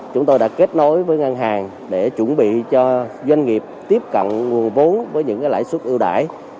chúng tôi đã kết nối với ngân hàng để chuẩn bị cho doanh nghiệp tiếp cận nguồn vốn với những lãi suất ưu đại